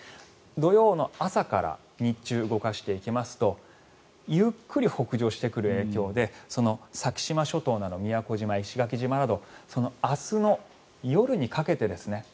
土曜の朝から日中、動かしていきますとゆっくり北上してくる影響で先島諸島など宮古島、石垣島など明日の夜にかけてですね